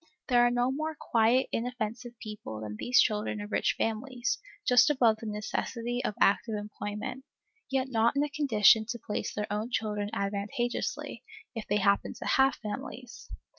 There are no more quiet, inoffensive people than these children of rich families, just above the necessity of active employment, yet not in a condition to place their own children advantageously, if they happen to have families.